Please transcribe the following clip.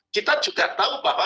kita juga tahu bahwa